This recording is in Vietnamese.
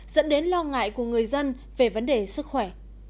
dẫn đến lo ngại của người dân về vấn đề sức khỏe